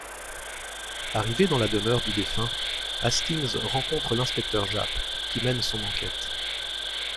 Arrivé dans la demeure du défunt, Hastings rencontre l'inspecteur Japp, qui mène son enquête.